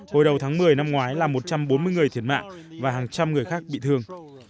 hồi đầu tháng một mươi năm ngoái là một trăm bốn mươi người thiệt mạng và hàng trăm người khác bị thương